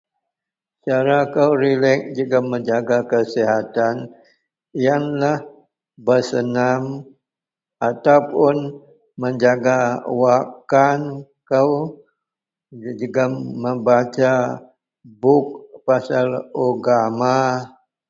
Cara kou relek jegem menjaga kesihatan, iyenlah bersenam atau puon menjaga wak kan kou jegem membasa buk pasel ugama.